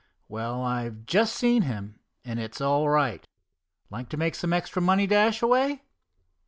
"Well, I've just seen him, and it's all right. Like to make some extra money, Dashaway?"